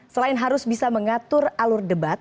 selain harus bisa mengatur alur debat